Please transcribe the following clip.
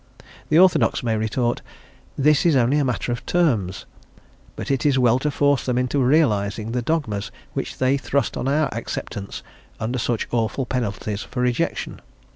The orthodox may retort, "this is only a matter of terms;" but it is well to force them into realising the dogmas which they thrust on our acceptance under such awful penalties for rejection.